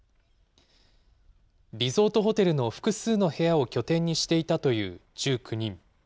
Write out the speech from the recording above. リゾートホテルの複数の部屋を拠点にしていたという１９人。